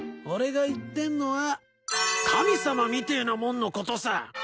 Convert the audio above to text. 俺が言ってんのは神様みてえなもんのことさ。